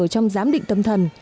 trong giám định tâm thần